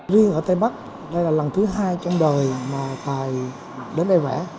riêng ở tây bắc đây là lần thứ hai trong đời mà tài đến đây vẽ